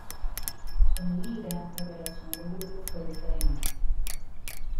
Con Lira la relación del grupo fue diferente.